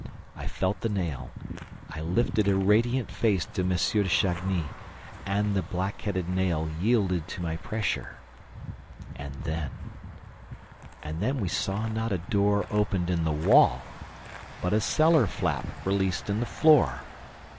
I felt the nail ... I lifted a radiant face to M. de Chagny ... The black headed nail yielded to my pressure ... And then ... And then we saw not a door opened in the wall, but a cellar flap released in the floor.